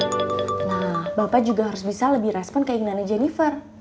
nah bapak juga harus bisa lebih respon keinginannya jennifer